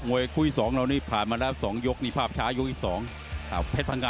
นี่ก็เปิดฉากบูนนะพี่ชัยนะ